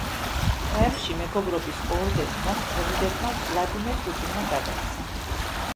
კრემლში მეგობრობის ორდენი მას პრეზიდენტმა ვლადიმერ პუტინმა გადასცა.